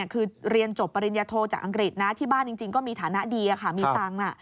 คือเรียนจบปริญญาโทจากอังกฤษนะที่บ้านจริงก็มีฐานะดีมีตังค์